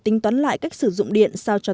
tính toán lại cách sử dụng điện sao cho